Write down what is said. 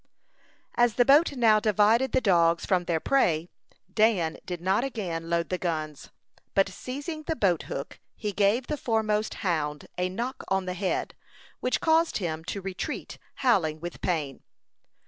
As the boat now divided the dogs from their prey, Dan did not again load the guns; but seizing the boat hook, he gave the foremost hound a knock on the head, which caused him to retreat, howling with pain.